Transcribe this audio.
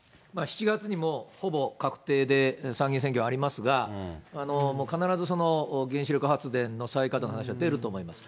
７月にもほぼ確定で参議院選挙がありますが、必ずその原子力発電の再稼働の話が出ると思います。